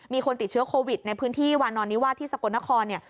มีคนติดเชื้อโควิดในพื้นที่วานอนนิวาสที่สกลนครเนี่ย